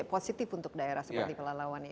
positif untuk daerah seperti pelalawan ini